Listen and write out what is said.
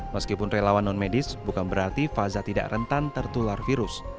meskipun relawan non medis bukan berarti faza tidak rentan tertular virus